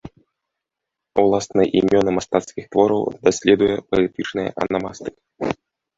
Уласныя імёны мастацкіх твораў даследуе паэтычная анамастыка.